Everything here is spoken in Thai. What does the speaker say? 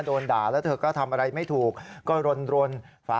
โดนด่าแล้วเธอก็ทำอะไรไม่ถูกก็รน